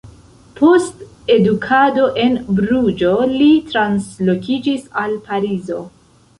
Post edukado en Bruĝo, li translokiĝis al Parizo.